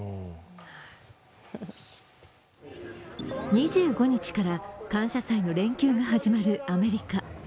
２５日から感謝祭の連休が始まるアメリカ。